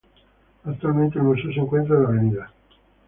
Actualmente, el museo se encuentra en la Av.